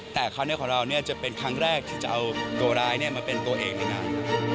แต่คราวนี้ของเราจะเป็นครั้งแรกที่จะเอาตัวร้ายมาเป็นตัวเองในงาน